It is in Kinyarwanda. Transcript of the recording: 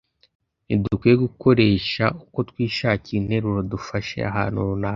Ntidukwiriye gukoresha uko twishakiye interuro dufashe ahantu runaka,